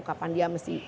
kapan dia mesti